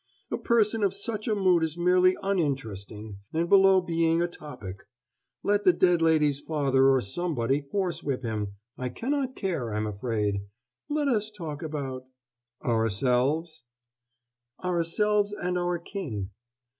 "A person of such a mood is merely uninteresting, and below being a topic. Let the dead lady's father or somebody horsewhip him I cannot care, I'm afraid. Let us talk about " "Ourselves?" "'Ourselves and our king.'"